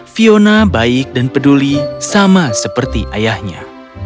fiona baik dan peduli sama seperti ayahnya